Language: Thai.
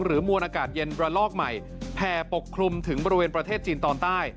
มวลอากาศเย็นระลอกใหม่แผ่ปกคลุมถึงบริเวณประเทศจีนตอนใต้